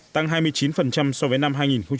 tăng hai mươi chín so với năm hai nghìn một mươi bảy